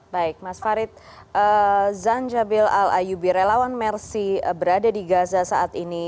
baik mas farid zanjabil al ayubi relawan mersi berada di gaza saat ini